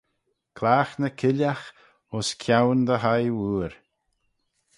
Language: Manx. Clagh ny killagh ayns kione dty hie wooar